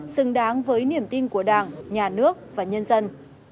xứng đáng với niềm tin của đảng nhà nước và nhân dân